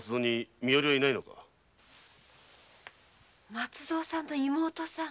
松造さんの妹さん？